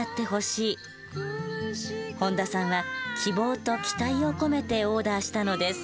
本田さんは希望と期待を込めてオーダーしたのです。